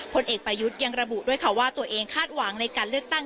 ผลเอกประยุทธ์ยังระบุด้วยค่ะว่าตัวเองคาดหวังในการเลือกตั้ง